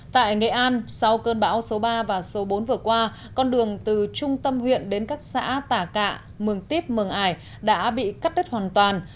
tại nghệ an sau cơn bão số ba và số bốn vừa qua con đường từ trung tâm huyện đến các xã tả cạ mường tiếp mường ải đã bị cắt đất hoàn toàn